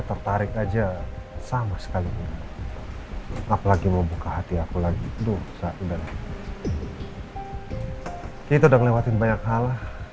tertarik aja sama sekali apalagi membuka hati aku lagi tuh saat itu udah ngelewatin banyak hal